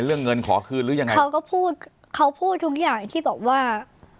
เรื่องเงินขอคืนหรือยังไงเขาก็พูดเขาพูดทุกอย่างที่บอกว่า